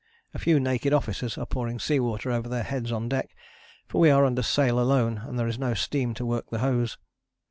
A few naked officers are pouring sea water over their heads on deck, for we are under sail alone and there is no steam to work the hose.